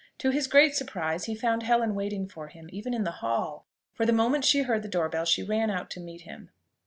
To his great surprise, he found Helen waiting for him, even in the hall; for the moment she heard the door bell she ran out to meet him.